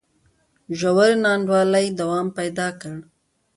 ژورې نا انډولۍ دوام پیدا کړ.